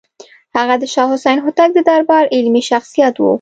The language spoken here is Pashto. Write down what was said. هغه د شاه حسین هوتک د دربار علمي شخصیت و.